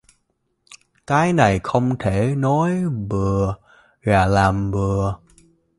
Cái này không thể nói bừa và làm bừa